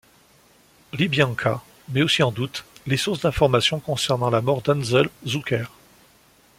Libionka met aussi en doute les sources d'information concernant la mort d'Anszel Zucker.